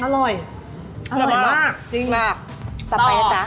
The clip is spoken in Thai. อร่อยมากจริงมาก